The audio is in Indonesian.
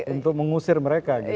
untuk mengusir mereka